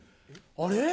あれ？